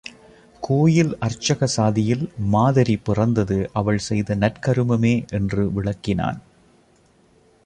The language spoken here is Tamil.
கோயில் அர்ச்சக சாதியில் மாதரி பிறந்தது அவள் செய்த நற்கருமமே என்று விளக்கினான்.